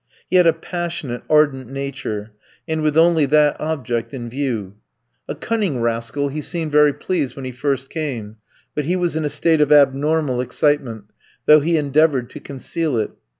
He had a passionate, ardent nature, and with only that object in view. A cunning rascal, he seemed very pleased when he first came; but he was in a state of abnormal excitement, though he endeavoured to conceal it.